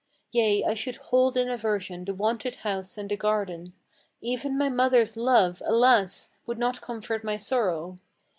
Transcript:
Yea, I should hold in aversion the wonted house and the garden: Even my mother's love, alas! would not comfort my sorrow.